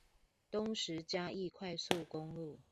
東石嘉義快速公路